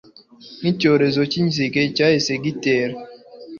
nkicyorezo cyinzige cyahise gitera